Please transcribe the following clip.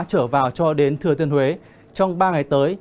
trở vào cho đến thừa tiên huế trong ba ngày tới